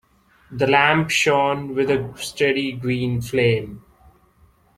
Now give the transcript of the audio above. The lamp shone with a steady green flame.